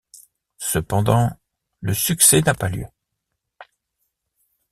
Cependant, le succès n'a pas lieu.